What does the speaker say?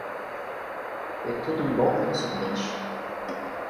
Foi tudo um golpe no sorvete.